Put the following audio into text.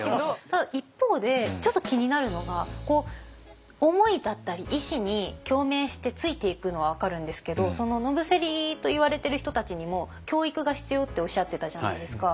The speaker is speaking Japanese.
ただ一方でちょっと気になるのが思いだったり意志に共鳴してついていくのは分かるんですけど野伏といわれてる人たちにも教育が必要っておっしゃってたじゃないですか。